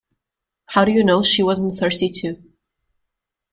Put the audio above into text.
How do you know she wasn’t thirsty too?